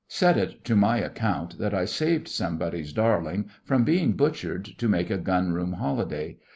Set it to my account that I saved somebody's darling from being butchered to make a Gun room holiday.